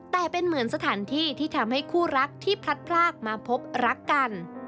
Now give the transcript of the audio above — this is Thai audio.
แต่เป็นเหมือนสถานที่ที่ทำให้คู่รักที่พลัดพลากมาพบรักกัน